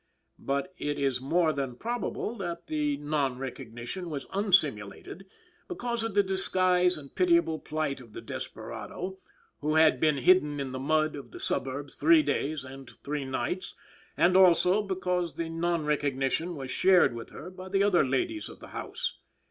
But it is more than probable that the non recognition was unsimulated, because of the disguise and pitiable plight of the desperado, who had been hidden in the mud of the suburbs three days and three nights, and, also, because the non recognition was shared with her by the other ladies of the house.